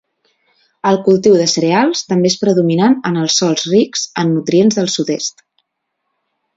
El cultiu de cereals també és predominant en els sòls rics en nutrients del sud-est.